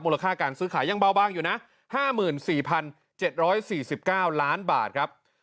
ค่าการซื้อขายยังเบาบางอยู่นะ๕๔๗๔๙ล้านบาทครับ